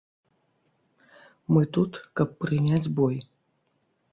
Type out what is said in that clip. Мы тут, каб прыняць бой.